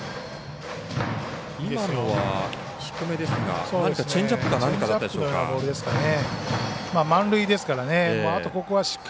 今のは低めですがチェンジアップか何かでしょうか。